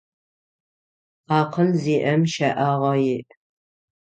Акъыл зиIэм щэIагъэ иI.